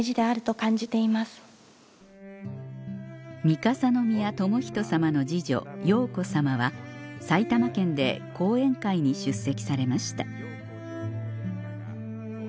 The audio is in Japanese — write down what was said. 三笠宮仁さまの次女瑶子さまは埼玉県で講演会に出席されました